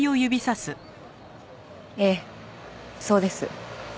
ええそうです。